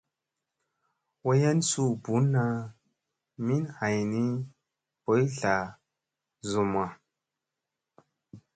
Wayan suu bunna min hayni boy tla zumma.